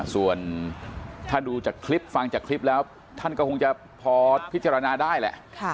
ส่วนถ้าดูจากคลิปฟังจากคลิปแล้วท่านก็คงจะพอพิจารณาได้แหละ